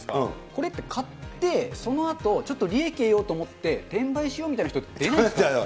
これって買って、そのあとちょっと利益得ようと思って、転売しようみたいな人、出ないんですか？